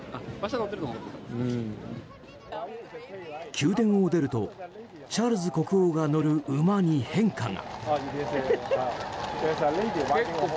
宮殿を出るとチャールズ国王が乗る馬に変化が。